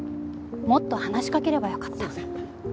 もっと話しかければよかった。